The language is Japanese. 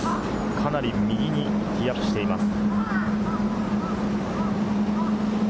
かなり右にティーアップしています。